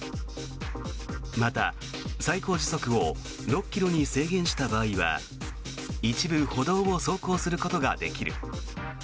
また、最高時速を６ｋｍに制限した場合は一部歩道を走行することができる。